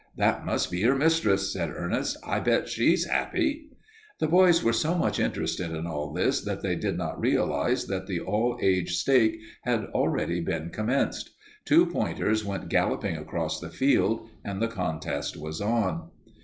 "That must be her mistress," said Ernest. "I bet she's happy." The boys were so much interested in all this that they did not realize that the All Age stake had already been commenced. Two pointers went galloping across the field and the contest was on.